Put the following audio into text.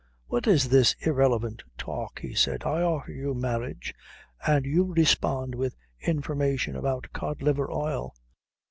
"What is this irrelevant talk?" he said. "I offer you marriage, and you respond with information about cod liver oil.